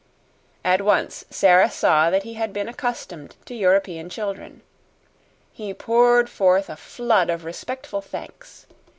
At once Sara saw that he had been accustomed to European children. He poured forth a flood of respectful thanks.